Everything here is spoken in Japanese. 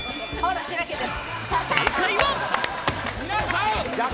正解は。